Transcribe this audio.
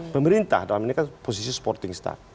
pemerintah dalam ini kan posisi supporting staff